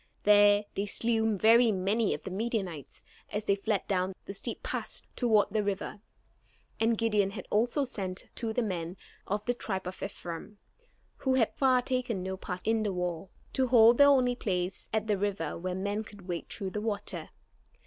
There they slew very many of the Midianites as they fled down the steep pass toward the river. And Gideon had also sent to the men of the tribe of Ephraim, who had thus far taken no part in the war, to hold the only place at the river where men could wade through the water.